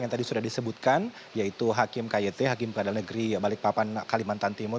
yang tadi sudah disebutkan yaitu hakim kyt hakim pengadilan negeri balikpapan kalimantan timur